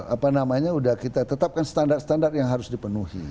apa namanya sudah kita tetapkan standar standar yang harus dipenuhi